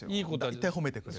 大体褒めてくれる。